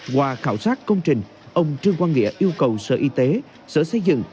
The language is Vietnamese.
qua khảo sát công trình ông trương quang nghĩa yêu cầu sở y tế sở xây dựng